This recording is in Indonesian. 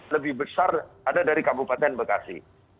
lebih besar ada dari kabupaten bekasi